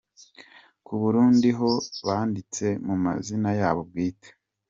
Ku Burundi ho banditse mu mazina yabo bwite.